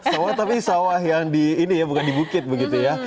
sawah tapi sawah yang di ini ya bukan di bukit begitu ya